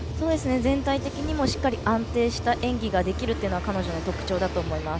全体的にもしっかり安定した演技ができるのが彼女の特徴だと思います。